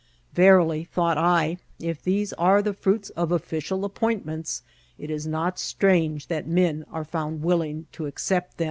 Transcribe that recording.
Verily, thought I, if these are the fruits of official appointments, it is not strange that men are found willing to accept them.